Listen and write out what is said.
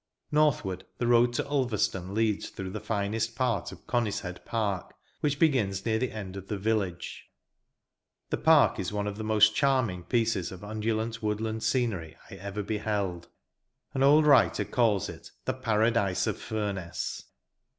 Northward, the road to Ulverstone leads through the finest part of Conishead Park, which begins near the end of the village. This park is one of the most charming pieces of undulant woodland scenery I ever beheld. An old writer calls it " the Para dise of Furness."